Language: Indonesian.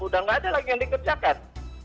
sudah tidak ada lagi yang dikerjakan